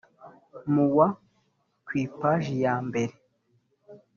mu wa ku ipaji ya mbere